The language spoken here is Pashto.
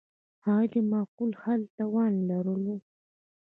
هغوی د معقول حل توان لرلو.